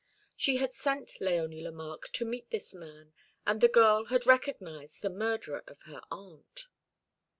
She had sent Léonie Lemarque to meet this man, and the girl had recognised the murderer of her aunt.